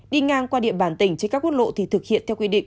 đi ngang qua địa bàn tỉnh trên các quốc lộ thì thực hiện theo quy định